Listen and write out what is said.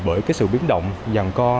bởi sự biến động dàn co